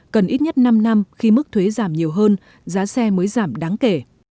cần ít nhất năm năm khi mức thuế giảm nhiều hơn giá xe mới giảm đáng kể